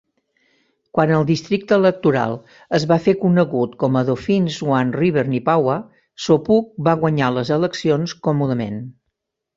Quan el districte electoral es va fer conegut com a Dauphin-Swan River-Neepawa, Sopuck va guanyar les eleccions còmodament.